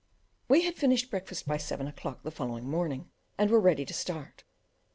We had finished breakfast by seven o'clock the following morning, and were ready to start.